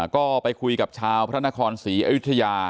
ก็ไปคุยกับชาวพระนครศรีอยุธยา